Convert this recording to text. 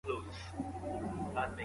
آیا د وچو مېوو بیي په ژمي کي لوړیږي؟.